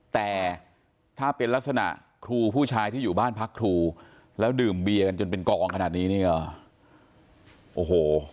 แต่ถ้าเป็นลักษณะครูผู้ชายที่อยู่บ้านพักครูแล้วดื่มเบียกันจนเป็นกองขนาดนี้นี่ก็โอ้โห